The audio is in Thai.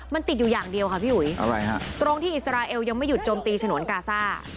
มันติดอยู่อย่างเดียวค่ะพี่อุ๋ยอะไรฮะตรงที่อิสราเอลยังไม่หยุดโจมตีฉนวนกาซ่า